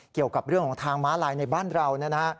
เกี่ยวกับเรื่องของทางม้าลายในบ้านเรานะฮะ